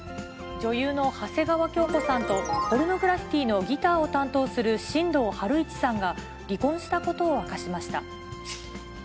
女優の長谷川京子さんと、ポルノグラフィティのギターを担当する新藤晴一さんが、離婚したことを明かしました。